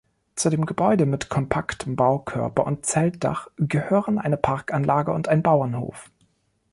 Zu dem Gebäude mit kompaktem Baukörper und Zeltdach gehören eine Parkanlage und ein Bauernhof.